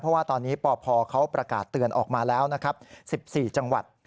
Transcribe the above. เพราะว่าตอนนี้ปพเขาประกาศเตือนออกมาแล้วนะครับ๑๔จังหวัด